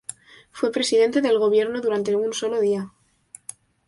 Fue Presidente del Gobierno durante un sólo día.